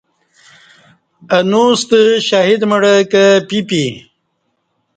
اہ نوستہ شہید مڑہ کں پیپی